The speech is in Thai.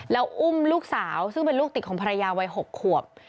แล้วอุ้มลูกสาวซึ่งเป็นลูกติดของภรรยาวัย๖ขวบ